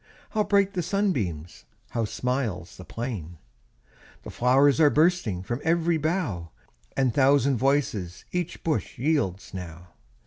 How bright the sunbeams! How smiles the plain! The flow'rs are bursting From ev'ry bough, And thousand voices Each bush yields now.